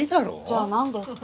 じゃあなんですか？